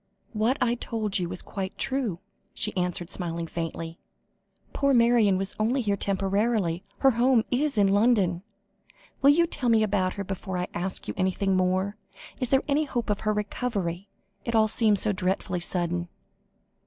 "What I told you was quite true," she answered, smiling faintly. "Poor Marion was only here temporarily, her home is in London. Will you tell me about her before I ask you anything more? Is there any hope of her recovery? It all seemed so dreadfully sudden."